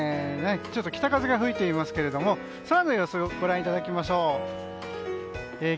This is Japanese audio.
ちょっと北風が吹いていますが空の様子をご覧いただきましょう。